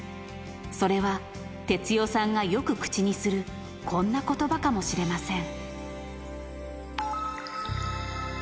それは哲代さんがよく口にするこんなことばかもしれません。